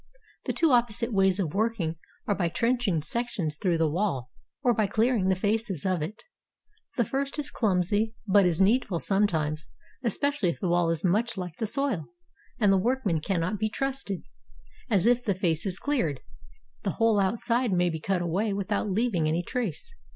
The two opposite ways of working are by trenching sections through the wall, or by clearing the faces of it. The first is clumsy, but is needful sometimes, especially if the wall is much like the soil, and the workmen cannot be trusted; as, if the face is cleared, the whole outside maybe cut away without leaving any trace.